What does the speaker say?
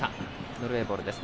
ノルウェーボールです。